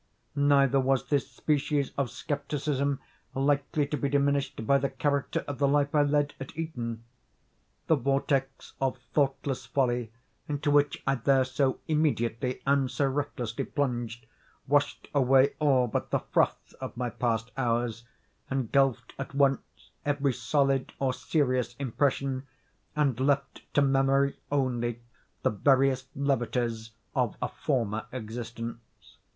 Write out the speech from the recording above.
Neither was this species of scepticism likely to be diminished by the character of the life I led at Eton. The vortex of thoughtless folly into which I there so immediately and so recklessly plunged, washed away all but the froth of my past hours, engulfed at once every solid or serious impression, and left to memory only the veriest levities of a former existence.